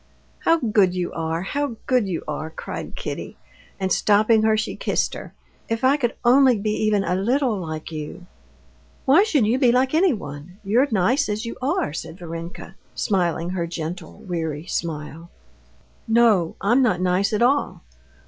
"How good you are! how good you are!" cried Kitty, and stopping her, she kissed her. "If I could only be even a little like you!" "Why should you be like anyone? You're nice as you are," said Varenka, smiling her gentle, weary smile. "No, I'm not nice at all.